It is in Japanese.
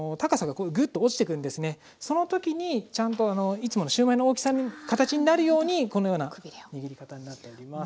その時にちゃんといつものシューマイの大きさの形になるようにこのような握り方になっております。